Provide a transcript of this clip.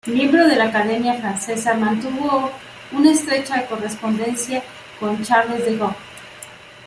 Miembro de la "Academia Francesa", mantuvo una estrecha correspondencia con Charles de Gaulle.